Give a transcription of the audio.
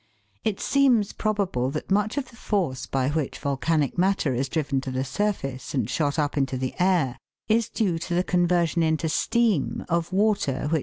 It seems probable that much of the force by which volcanic matter is driven to the surface, and shot up into the air, is due to the conversion into steam of water which 84 THE WORLD'S LUMBER ROOM.